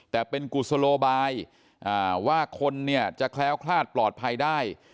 แต่เป็นกุศโลบายว่าคนเนี่ยจะแคล้วคลาดปลอดภัยได้